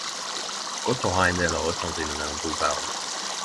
Godt å ha ein del av røtene sine mellom to permar.